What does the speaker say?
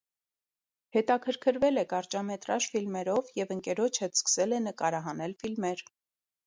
Հետաքրքրվել է կարճամետրաժ ֆիլմերով և ընկերոջ հետ սկսել է նկարահանել ֆիլմեր։